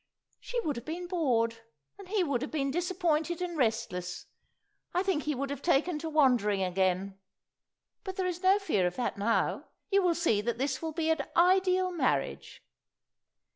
"She would have been bored, and he would have been disappointed and restless. I think he would have taken to wandering again; but there is no fear of that now. You will see that this will be an ideal marriage."